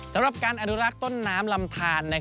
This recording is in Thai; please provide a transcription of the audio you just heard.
สำหรับการอนุรักษ์ต้นน้ำลำทาน